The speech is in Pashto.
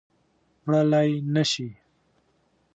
وړلای نه شي